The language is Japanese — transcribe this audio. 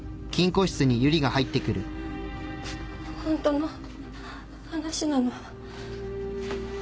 ホントの話なの？